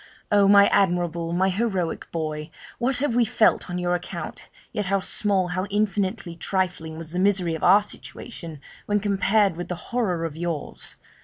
Oh! my admirable, my heroic boy, what have we felt on your account! yet how small, how infinitely trifling was the misery of our situation when compared with the horror of yours!